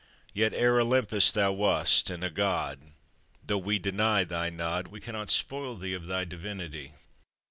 Yet ere Olympus thou wast, and a god! Though we deny thy nod, We cannot spoil thee of thy divinity.